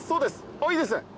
おっいいですね。